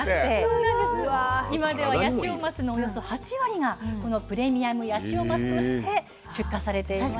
今ではヤシオマスのおよそ８割がこのプレミアムヤシオマスとして出荷されています。